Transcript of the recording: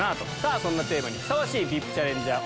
そんなテーマにふさわしいＶＩＰチャレンジャー